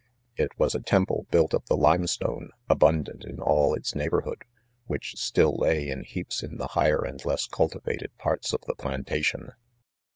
It was a temple built of the lime stone, abun dant in all its neighborhood, which still lay in heaps in the higher and' less cultivated parts of the plantation.